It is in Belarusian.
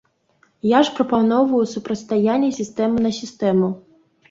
Я ж прапаноўваю супрацьстаянне сістэмы на сістэму.